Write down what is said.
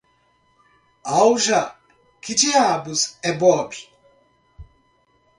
Alja, quem diabos é Bob?